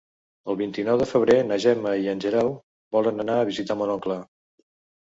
El vint-i-nou de febrer na Gemma i en Guerau volen anar a visitar mon oncle.